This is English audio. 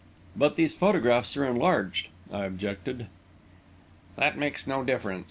"But these photographs are enlarged," I objected. "That makes no difference.